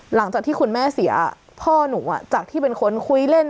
หลังจากที่คุณแม่เสียพ่อหนูจากที่เป็นคนคุยเล่น